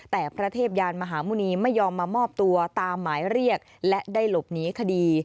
แต่พระเทพยานมหาหมุณีไม่ยอมมามอบตัวตามหมายเรียกและได้หลบหนีคดี